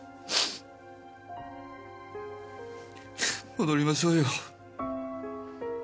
戻りましょうよ。